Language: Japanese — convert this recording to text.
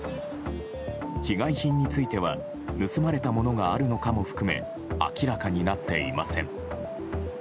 被害品については盗まれたものがあるのかも含め明らかになっていません。